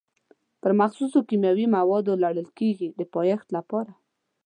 پر مخصوصو کیمیاوي موادو لړل کېږي د پایښت لپاره.